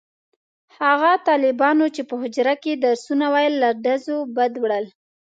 هغه طالبانو چې په حجره کې درسونه ویل له ډزو بد وړل.